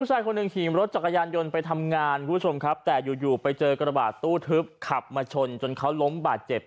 ชายคนหนึ่งขี่รถจักรยานยนต์ไปทำงานคุณผู้ชมครับแต่อยู่อยู่ไปเจอกระบาดตู้ทึบขับมาชนจนเขาล้มบาดเจ็บ